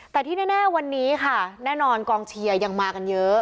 แต่ที่แน่วันนี้ค่ะแน่นอนกองเชียร์ยังมากันเยอะ